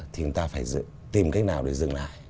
thì chúng ta phải tìm cách nào để dừng lại